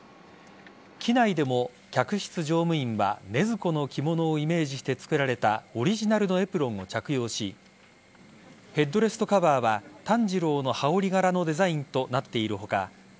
機内でも客室乗務員は禰豆子の着物をイメージして作られたオリジナルのエプロンを着用しヘッドレストカバーは炭治郎の羽織柄のデザインとなっている他